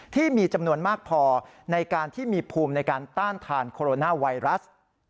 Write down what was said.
ที่มีจำนวนมากพอในการที่มีภูมิในการต้านทานโคโรนาไวรัส